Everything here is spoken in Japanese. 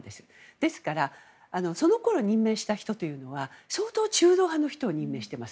ですからそのころ任命した人というのは相当中道派の人を任命しています。